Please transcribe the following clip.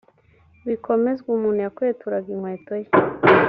bikomezwe umuntu yakweturaga inkweto ye